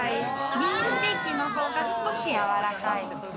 リーンステーキの方が少し柔らかい。